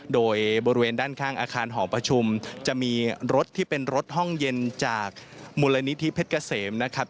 โดยบริเวณด้านข้างอาคารหอประชุมจะมีรถที่เป็นรถห้องเย็นจากมูลนิธิเพชรเกษมนะครับ